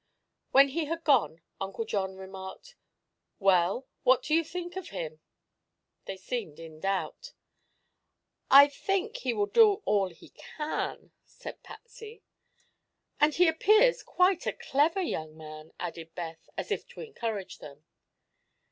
When he had gone Uncle John remarked: "Well, what do you think of him?" They seemed in doubt. "I think he will do all he can," said Patsy. "And he appears quite a clever young man," added Beth, as if to encourage them.